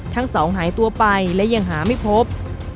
ทั้งสองหายตัวไปและยังหาไม่พบ